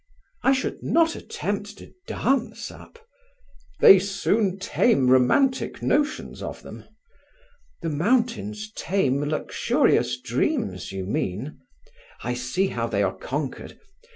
"I should not attempt to dance up." "They soon tame romantic notions of them." "The mountains tame luxurious dreams, you mean. I see how they are conquered.